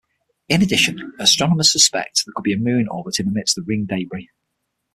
In addition, astronomers suspect there could be a moon orbiting amidst the ring debris.